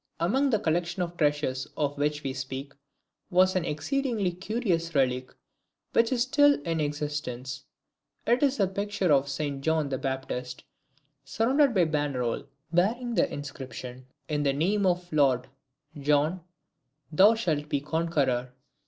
Among the collection of treasures of which we speak, was an exceedingly curious relic, which is still in existence. It is a picture of St. John the Baptist, surrounded by a Bannerol bearing the inscription: "In the name of the Lord, John, thou shalt be Conqueror."